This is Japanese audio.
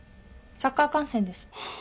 サッカー観戦です。